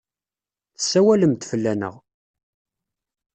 Tessawalem-d fell-aneɣ?